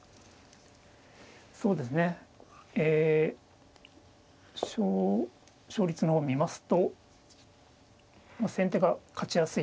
そうですねえ勝率の方を見ますと先手が勝ちやすい。